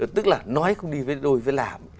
tức là nói không đi với đôi với làm